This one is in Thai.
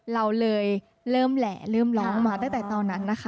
เราเลยเริ่มแหละเริ่มร้องมาตั้งแต่ตอนนั้นนะคะ